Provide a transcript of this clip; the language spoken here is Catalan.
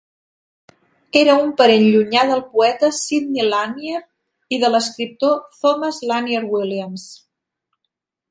Era un parent llunyà del poeta Sidney Lanier i de l'escriptor Thomas Lanier Williams.